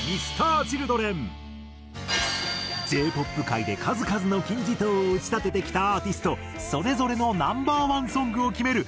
Ｊ−ＰＯＰ界で数々の金字塔を打ち立ててきたアーティストそれぞれのＮｏ．１ソングを決める